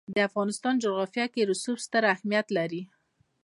د افغانستان جغرافیه کې رسوب ستر اهمیت لري.